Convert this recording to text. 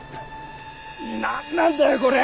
なんなんだよこれ！